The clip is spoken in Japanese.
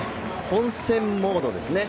本戦モードですね。